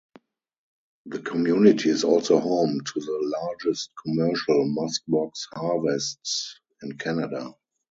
The community is also home to the largest commercial muskox harvests in Canada.